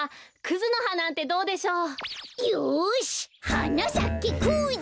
「はなさけクズ」